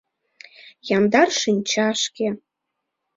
Яндар шинчашке